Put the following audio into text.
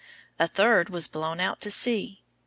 A third was blown out to sea.